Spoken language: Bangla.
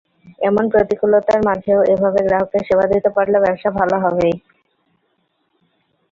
এমন প্রতিকূলতার মাঝেও এভাবে গ্রাহককে সেবা দিতে পারলে ব্যবসা ভালো হবেই।